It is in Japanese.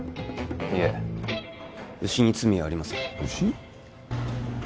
いえ牛に罪はありません牛？